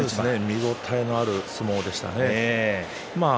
見応えのある一番でしたね。